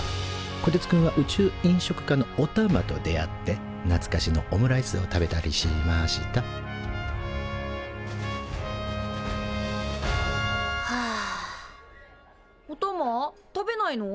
こてつくんは宇宙飲食科のおたまと出会ってなつかしのオムライスを食べたりしましたおたま食べないの？